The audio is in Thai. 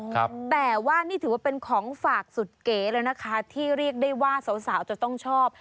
แต่ว่านี่ถือว่าเป็นของฝากสุดเก๋เลยนะคะที่เรียกได้ว่าสาวสาวจะต้องชอบ